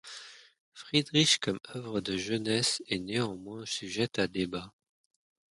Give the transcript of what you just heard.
Friedrich comme œuvre de jeunesse est néanmoins sujette à débat.